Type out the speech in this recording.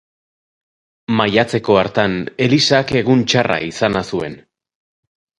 Maiatzeko hartan, Elisak egun txarra izana zuen.